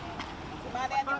terima kasih pak